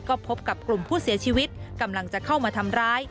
ก็พบกับกลุ่มผู้เสียชีวิตกำลังจะเข้ามาทำร้าย